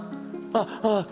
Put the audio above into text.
あっああ。